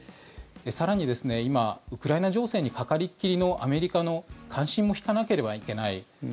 更に今、ウクライナ情勢にかかりっきりのアメリカの関心も引かなければいけない。